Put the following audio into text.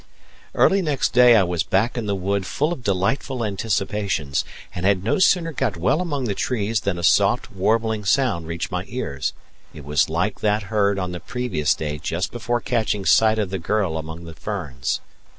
Early next day I was back in the wood full of delightful anticipations, and had no sooner got well among the trees than a soft, warbling sound reached my ears; it was like that heard on the previous day just before catching sight of the girl among the ferns.